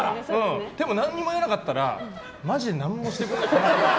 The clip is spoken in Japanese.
でも、何も言わなかったらマジでなんもしてくれない。